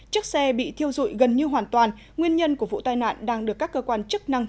chiếc xe bị thiêu dụi gần như hoàn toàn nguyên nhân của vụ tai nạn đang được các cơ quan chức năng